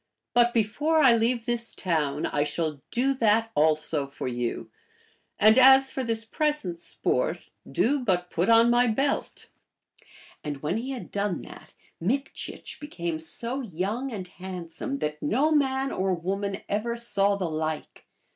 But before I leave this town I shall do that also for you ; anil as for this present sport, do but put on my belt." And when he had done that, Mikchich became so young and handsome that no man or woman ever saw the like.